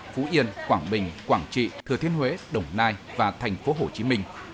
phú yên quảng bình quảng trị thừa thiên huế đồng nai và thành phố hồ chí minh